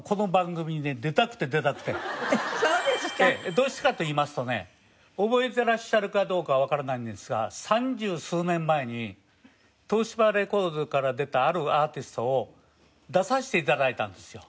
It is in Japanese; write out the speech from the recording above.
どうしてかと言いますとね覚えてらっしゃるかどうかはわからないんですが三十数年前に東芝レコードから出たあるアーティストを出させて頂いたんですよ。